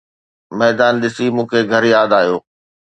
ميدان ڏسي مون کي گهر ياد آيو